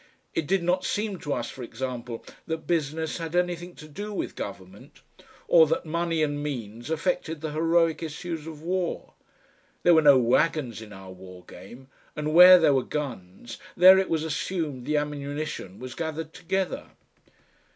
It did not seem to us, for example, that business had anything to do with government, or that money and means affected the heroic issues of war. There were no wagons in our war game, and where there were guns, there it was assumed the ammunition was gathered together.